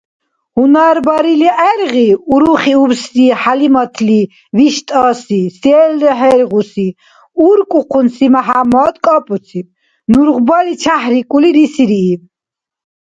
Гьунар барили гӀергъи урухриубси ХӀялиматли, виштӀаси, селра хӀергъуси, уркӀухъунси МяхӀяммад кӀапӀуциб, нургъбали чяхӀрикӀули рисирииб.